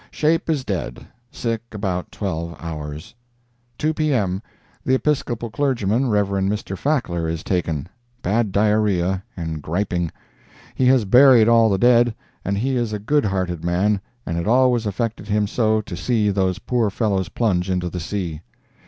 "Shape is dead—sick about twelve hours." "2 P.M.—The Episcopal clergyman, Rev. Mr. Fackler, is taken—bad diarrhea and griping. He has buried all the dead, and he is a good hearted man and it always affected him so to see those poor fellows plunge into the sea.